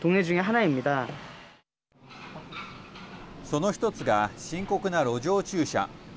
その一つが深刻な路上駐車。